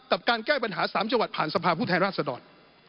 กับการแก้ปัญหา๓จังหวัดผ่านสภาพผู้แทนราชดร